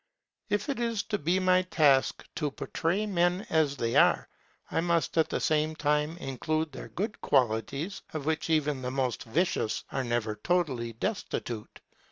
If it is to be my task to portray men as they are, I must at the same time include their good qualities, of which even the most vicious are never totally destitute.